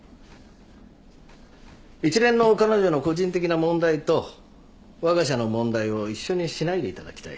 一連の彼女の個人的な問題とわが社の問題を一緒にしないでいただきたい。